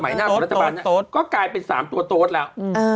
หน้าของรัฐบาลเนี่ยก็กลายเป็น๓ตัวโต๊ดแล้ว